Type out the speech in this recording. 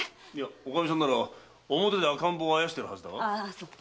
おかみさんなら表で赤ん坊をあやしてるはずだが？